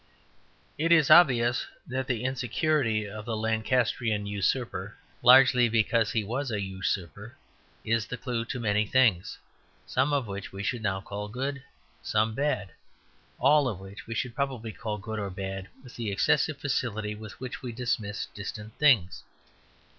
It is obvious that the insecurity of the Lancastrian usurper, largely because he was a usurper, is the clue to many things, some of which we should now call good, some bad, all of which we should probably call good or bad with the excessive facility with which we dismiss distant things.